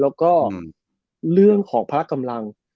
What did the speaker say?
แล้วก็เรื่องของพลักษณ์กำลัง